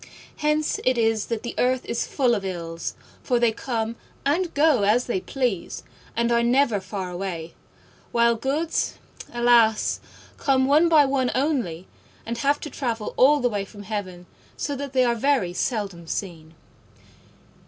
Hence it is that the earth is full of Ills, for they come and go as they please and are never far away; while Goods, alas! come one by one only, and have to travel all the way from heaven, so that they are very seldom seen.